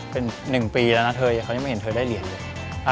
เป็น๑ปีแล้วนะเธอเขายังไม่เห็นเธอได้เหรียญเลย